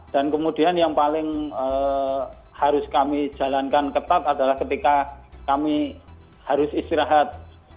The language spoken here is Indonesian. dan kemudian yang paling harus kami jalankan ketat adalah ketika kami harus istirahat